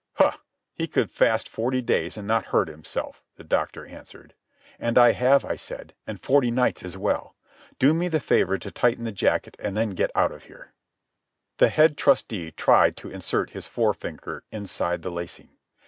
"Huh, he could fast forty days and not hurt himself," the doctor answered. "And I have," I said, "and forty nights as well. Do me the favour to tighten the jacket and then get out of here." The head trusty tried to insert his forefinger inside the lacing.